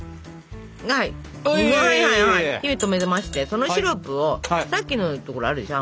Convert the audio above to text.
火を止めましてそのシロップをさっきの所あるでしょ。